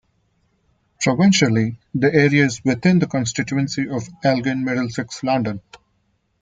Provincially, the area is within the constituency of Elgin-Middlesex-London.